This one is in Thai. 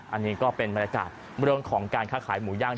อันนี้ก็เป็นบรรยากาศเรื่องของการค้าขายหมูย่าง